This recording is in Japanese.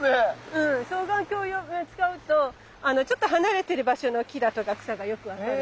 うん双眼鏡使うとちょっと離れてる場所の木だとか草がよく分かる。